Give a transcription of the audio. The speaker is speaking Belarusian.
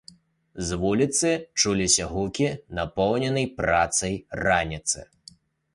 З вуліцы чуліся гукі напоўненай працай раніцы.